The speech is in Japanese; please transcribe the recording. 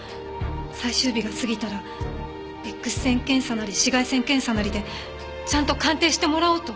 最終日が過ぎたらＸ線検査なり紫外線検査なりでちゃんと鑑定してもらおうと。